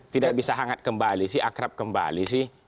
tidak bisa hangat kembali sih akrab kembali sih